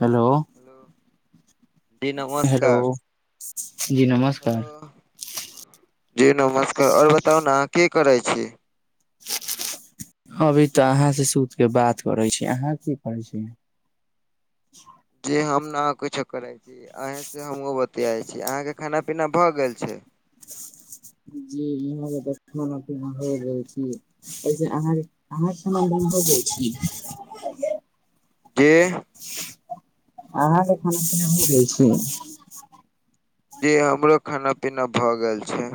Hello. जी hello नमस्कार, जी हेलो। नमस्कार जी नमस्कार और बताउ ने अहाँ की करै छी? अभी तऽ अहाँ से सुत के बात करे छी। अहाँ की करे छी? जी हम ने किछो करै छी अहीसँ हमहुँ बतीयाइ छी। अहाँके खाना पीना भऽ गेल छै? जी इह तऽ खाना पीना भ गेल छी। वैसे अहाँ [unintelligible] भ जाय छी। जी। अहाँके खाना पीना भ गेलै छी? जी हमरो खाना पीना भ गेल छै।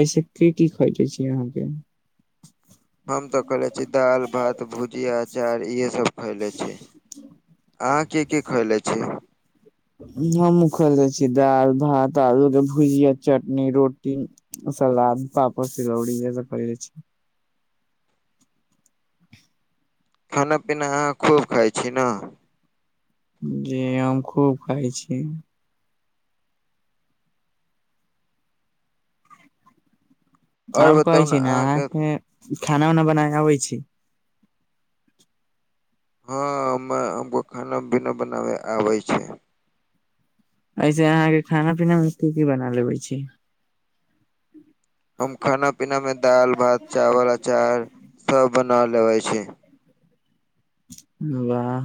ऐसे के की खैले छी अहाँके? हम तऽ खले छी दालि, भात, भुजिया, अचार इएहेसभ खयले छी। अहाँ की की खइले छी? हमु खइले छी दालि, भात, आलू के भुजिया, चटनी, रोटी सलाद, पापड़, तिलौड़ी इहे सब खैले छि। खाना पीना अहाँ खूब खाइ छी न। जी हम खूब खाय छी। और कहै छी ने अहाँके खाना उना बनाय अबै छी। हँ हम्मे हमको खाना पीना बनावे आबे छै। ऐसे अहाँ के खाना पीना मे की की बना लेबे छी? हम खाना पीनामे दाल भात चावल अचार सब बना लेबै छी। वाह,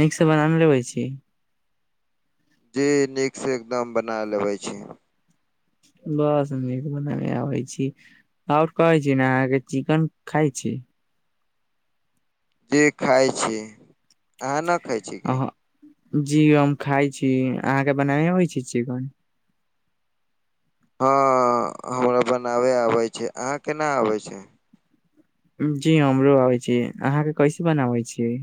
नीक से बना मे लेबै छी? जी नीक से एकदम बना लेबे छी। बस नीक बनावे आबै छी, और कहै छी ने अहाँ के चिकन खाय छी? जी खाइ छी, अहाँ न खाइ छी की? जी हम खाइ छी, अहाँके बनाबै आवे छी चिकन? हँ हमरा बनाबै आबै छै, अहाँ के ना आबै छै? जी हमरो आबै छी, अहाँके कैसे बनाबै छी?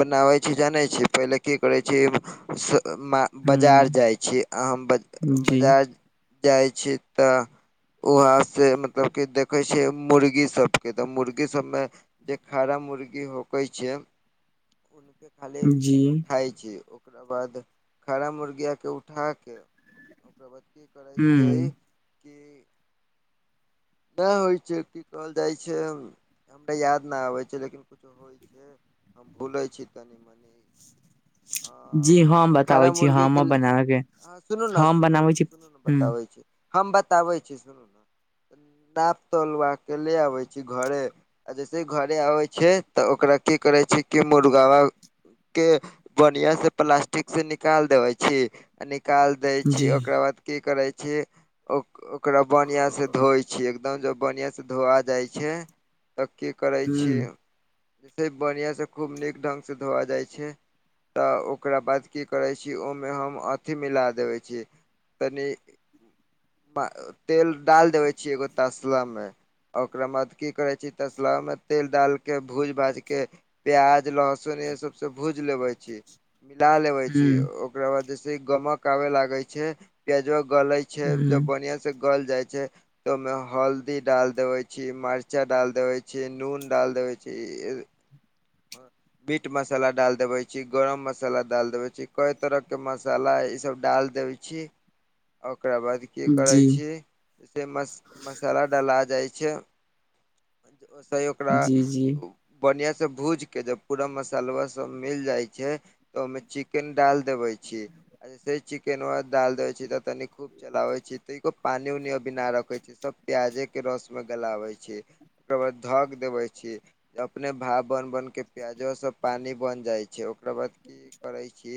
बनाबै छी जानै छी, पहिले की करै छी? ह बजार जाइ छी, हम बज जी बजार जाइत छी तऽ वहाँ से मतलब कि देखै छियै मुर्गी सबके तऽ मुर्गीसभमे जे फार्म मुर्गी होक छै, उनके खाली जी उठाय छी। ओकरा बाद खारा मुर्गियाके उठाके ओकरा बाद की करय ह छीयइ की ना होइ छै की कहल जाय छै, हमरा याद ना आबे छै लेकिन कुछो होइ छै। जे हम भुलै छी तनि मनि। जी हम खड़ा बताबै छी मुर्गी हम के हँ बनाबैके सुनू ने हम सुनू बनाबै ने छी सुनू ने ह्म्म बताबै छी हम बताबै छी सुनू ना। नाप तौलबाे ले आबै छी घरे आ जैसे घरे आबै छै तऽ ओकरा की करै छै कि मुर्गाबा के बढ़िया से प्लास्टिक से निकाल देबे छी निकाल दय जी छी ओकरा बाद की करय छी ओक ओकरा बढ़िया से धोइ छी एकदम जब बढ़िआस धोआ जाइ छै तब की करै ह छी? जसे बढ़िआं से खूब नीक ढंग से धोआ जाइ छै। तऽ ओकरा बाद की करै छी? ओहिमे हम अथि मिला देबै छी। तनी प तेल डाल देबे छियै, एगो तसलामे आ ओकरा बाद की करै छी, तसलामे तेल डालि कऽ भूजि भाजि कऽ। प्याज लहसुन य सबसँ भूज लेबे छी। मिला लेवे छी ह ओकरा बाद जैसे गमक आवे लागे छै प्याजो गले छै तऽ ह बढ़िया से गल जाइ छै। तऽ ओहिमे हल्दी डाल देबैत छी, मरचा डाल देबैत छी, नून डाल देबैत छी। [unintelligible] मीट मसाला डाल देवे छी, गरम मसाला डाल देवे छी, कय तरह के मसाला इ सब डाल देवे छी ओकरा बाद की जी करै छी? जैसे मस मसाला डला जाइ छै। ओसही ओकरा जी जी बढ़िआ से भूज के जब पूरा मसाला सब मिल जाइ छै तऽ ओहिमे चिकेन डाल देबै छी। अ जैसे ही चिकेनवा दाल देवे छी तऽ तनी खूब चलावे छी त इको पानी उनी अभी ना रखे छी सब प्याजे के रस में गलाबे छै। ओकर बाद धक देबे छी अपने भाप बन बन के प्याजो से पानी बन जाइ छै ओकरा बाद की करे छी?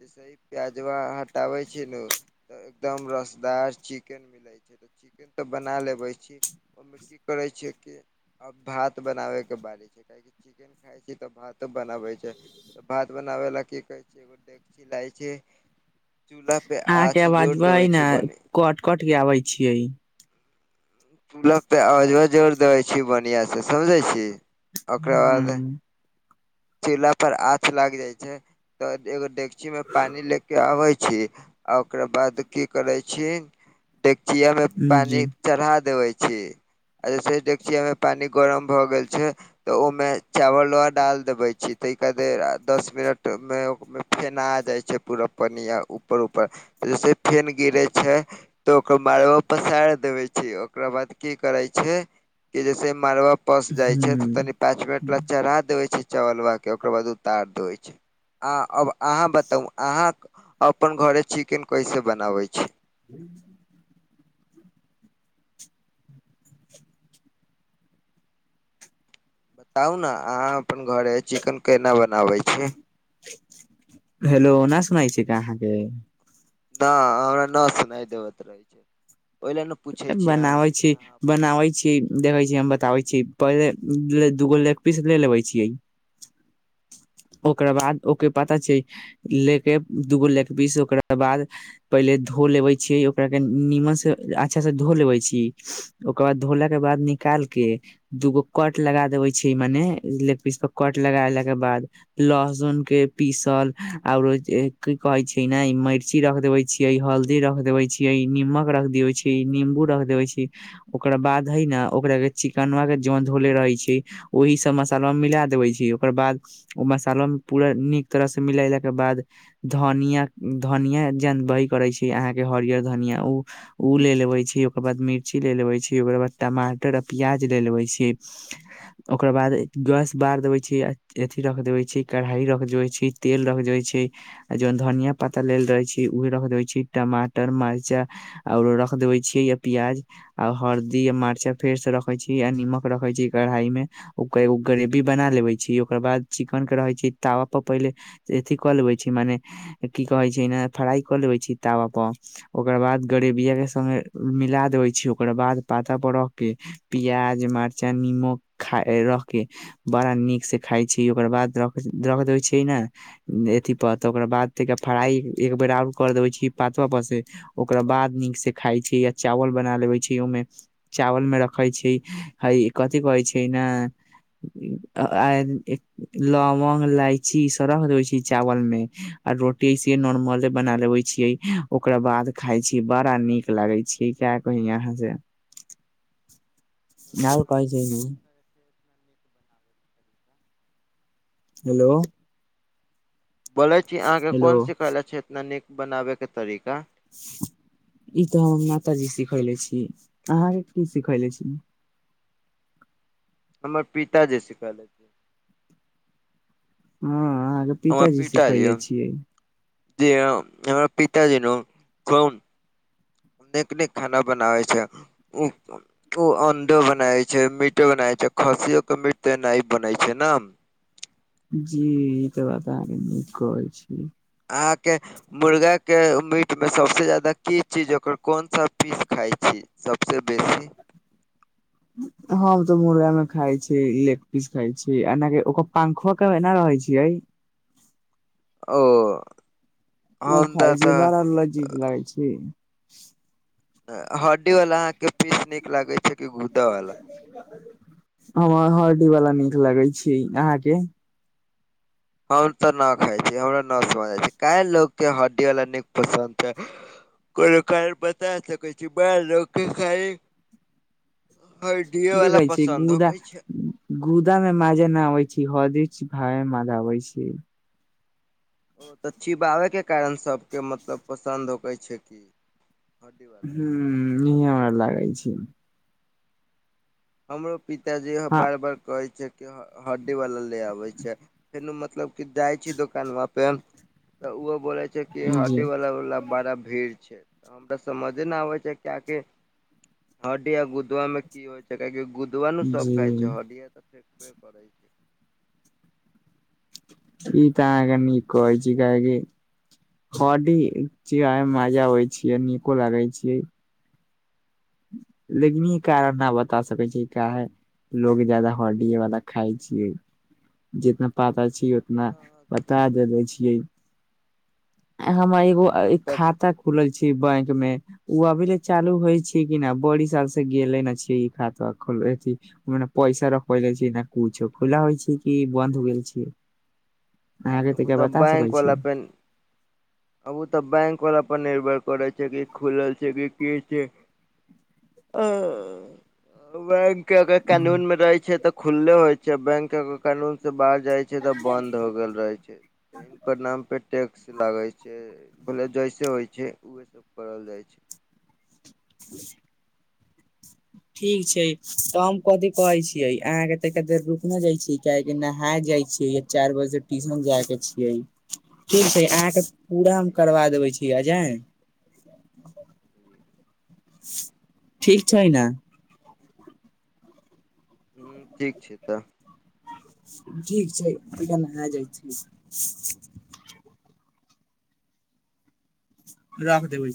जैसे ही प्याजवा हटावे छी न त एकदम रसदार चिकेन मिले छै। तऽ चिकेन तऽ बना लेबे छी। ओहिमे की करे छै कि आब भात बनाबे के बारी छै काहेकि चिकेन खाय छी तऽ भातो बनाबे छै त भात बनाबे ला की कहै छै एगो डची लइ [unintelligible] छै चूल्हा पे अहाँके आँछ जोड़ आवाजबै देबे ने छै बने कट कट के आबै छियै। चूल्हा पे आंच ल [unintelligible] जोर देै छी बढ़ियां से समझै छी ओकरा बाद चूल्हा पर आँच लाग जाइ छै तऽ एगो डेकच्ची। डेकची मे पानि ले के आबै छी आ ओकरा बाद की करै छी? डेकचिया मे ह जी पानी चढ़ा देबै छी। आ जैसेही डेकचिया में पानी गरम भऽ गेल छै। तऽ ओमे चावलवा डाल देबै छी ताहि के बाद दस मिनटमे फेना जाइ छै पूरा पनिया ऊपर ऊपर जैसे ही फेन गिरै छै, तऽ ओकर मारवा पसैर देबे छै। ओकरा बाद की करै छियै कि जैसे मारवा पस जाय छै तऽ ह तनि पांच मिनट ले चढ़ा देबै छै चावल बा के ओकर बाद उतार देबै छै। आ अब अहाँ बताउ अहाँ अपन घरे चिकेन कैसे बनाबै छी, हूँ [inaudible] कहु ने अहाँ अपन घरे चिकन केना बनाबै छी, हेलो न सुनाइ दे छै क अहाँके? न हमरा न सुनाइ देबत रहै छै, ओहि लए ने पूछै छीयै अहाँ से कि अहाँ अपन घर, देखे छी हम बताबै छी पहिले दूगो लेग पीस ले लेबे छीयै। ओकरा बाद ओके पता छै लेके दूगो लेग पीस ओकरा बाद पहिले धो लेबै छीयै ओकरा के नीमन से अच्छा से धो लेबै छी, ओकर बाद धोला के बाद निकाल के, दूगो कट लगा देबै छियै मने लेग पीस पर कट लगेला के बाद, लहसुन के पीसल आऔरो जे की कहे छै ने मिर्ची रख देबै, हल्दी रख देबै छीयै निमक रख देवे छी निंबू रख देबै छी। ओकरा बाद है न ओकरा के चिकनवा के जों धोले रहै छियै, ओहि सब मसलवा मे मिला देबै छीयै ओकर बाद, ओ मसाला मे पूरा नीक तरह से मिलायलाके बाद, धनिया धनिया जनबहै करै छियै अहाँके हरियर धनिया ओ, ओ ले लेबे छी ओकर बाद मिर्ची ले लेबे छी ओकर बाद टमाटर आ प्याज ले लेबे छी, [inaudible] ओकर बाद गेस बार देबे छी रख देबै छै कढ़ाई रख देेबै छै तेल रख देबै छै। आ जौन धनिया पत्ता लेल रहै छी उहे रख देबै छी टमाटर मर्चा आओर रख देबै छियै य प्याज, आ हरदी आ मर्चा फेर से रखै छी आ नीमक रखै छी कढ़ाई में, ओ एगो ग्रेवी बना लेबै छी ओकर बाद, चिकन के रहे छै तावा पर पहिले अथी कऽ लेबै छै मने, की कहै छै फ्राई कऽ लेबै छी तावापर, ओकरा बाद गरेबिया के संगे मिला देबै छी ओकर बाद पाता पर रख के पिआज मरचा निमक खा रख बड़ा नीक से खाइ छी ओकर बाद र रख दबै छै ने, उम्म ऐथी पर तऽ ओकरा बाद तै एकरा फ्राई एक बेर आरो कर देबे छीयै पातबा पर से। ओकरा बाद नीक से खाइ छीयै या चावल बना लेबै छीयै, ओयमे चावल मे रखै छीयै ई हे कथि करै छीयै नै। त आय ई लौंगो, इलायची ई सब रख देबै छीयै चावल में आ रोटी से नॉर्मले बना लेबै छीयै ओकरा बाद खाय छीयै, बड़ा नीक लागे छीयै का कही आहाँ से। और कहे छै की [inaudible] हेलो। बोलै छी अहाँके हेलो कोन सीखले छै एतना नीक बनाबै के तरीका? ई तऽ हमर माताजी सिखेले छी, अहाँके की सिखेले छी? हमर पिताजी सीखेले। हां अहाँके पिताजी सिखैले छियै। जी हां हमर पिताजी न उ कौन निक-निक खाना बनाबै छै, उ उ अंडो बनावे छै, मीटो बनावे छै, खस्सियो के मीट तऽ एनाहि बनै छै नै। जी ई त बात अहाँके नीक कहै छी। आहाँ के मुर्गाके मीटमे सबसे ज्यादा की चीज ओकर कोन सा पीस खाइ छीयै। सबसे बेसी हम त मुर्गा नै खाय छी, लेग पीस खाई छी, एना की ओकर पंखो के एना रहै छियै। ओ। उ हम तऽ खाइ छीयै, तऽ बड़ा लजीज लागै छै। अ हड्डी वाला अहाँ के पीस नीक लागे छै कि गूद्दा वाला? [inaudible] हमरा हड्डी वाला नीक लगे छै, अहाँके? हम तऽ न खाइ छीयै, हमरा न समझ आवे छै, काहे लोक के हड्डी वाला नीक पसन्द छै। ओय के कारन बता सकै छी, बड़ा लोक के खाई हड्डिए वाला देखै छी पसन्द गुदा होकै छै। गुदा मे माजा नै आबै छै, हड्डी चिबाय मे मजा अबै छै। ओ तऽ चिबाबे के कारण से सबके मतलब पसन्द होके छै हड्डी वाला हुं इ हमरा लागै छै। हमरो पिताजी हँ बार-बार कहै छै। की हड्डी वाला ले आबै छीयै, फेनू मतलब की जाइ छै दोकानवां पे तऽ उहो बोलै छै कि जी हड्डी वाला वाला बड़ा भीड़ छै, हमरा समझे नै आबै छै किया कि हड्डी आ गुदवा मे की होइ छै। कियाकि गुदवा न सब खाइ जी छै, हडिया तऽ फेकबे करै छै। ई तऽ आहाँ के नीक कहै छी, काहे की हड्डी चीबाबय में मजा आबे छीयै, नीको लागे छीयै। लेकिन ई कारण न बता सकै छीयै काहै। लोग ज्यादा हड्डिए वाला खाई छियै। जितना पातर छी ओ तऽ उतना न बता देबे छियै अ हमर ए व जी ई खाता खुलल छै बैंक मे उ अभी ले चालू होइ छै। छै की न बड़ी साल से गेले न छीयै ई खातवा खुलवे ए अथि मने पैसा रखल जा छीयै न कुछो खुला होइ छै कि बंन्द होय गेल छीयै। अहाँके तऽ तब क तब बता बैंक सकैत छी? वाला पे आब ओ तऽ बैंक वला पर निर्भर करे छै कि खुलल छै कि की छै? आ बैंक, के अगर कानून मे रहै छै तऽ खुलले होइ छै बैंक के कानून से बाहर, जाइ छै तऽ बंद हो गेल रहे छै के नाम पर टैक्स लागे छै। भले जैसे होइ छै उहे सब करल जाइ छै [unintelligible] [inaudible] ठीक छै तऽ हम कथी कहै छीयै अहाँ के त क देर रुकने जाय छी? कियाकी के नहाय जाय छीये चार बजे से ट्यूशन जाय के छीये, [inaudible] ठीक छै अहाँके पूरा हम छै ह करबा देबै छी अजय [inaudible] ठीक छै ने? ह ठीक छै तऽ‌। ठीक छै हम नहाय जाइ छै। राख देबै।